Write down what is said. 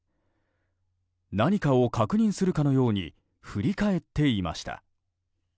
何かを確認するかのように振り返っていました。